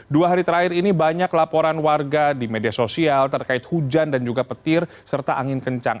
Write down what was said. dua hari terakhir ini banyak laporan warga di media sosial terkait hujan dan juga petir serta angin kencang